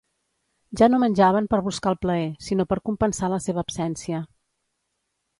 Ja no menjaven per buscar el plaer, sinó per compensar la seva absència.